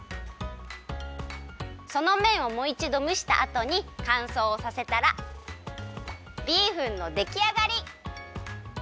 そのめんをもういちどむしたあとにかんそうさせたらビーフンのできあがり！